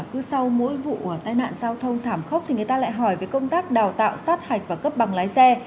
cứ sau mỗi vụ tai nạn giao thông thảm khốc thì người ta lại hỏi về công tác đào tạo sát hạch và cấp bằng lái xe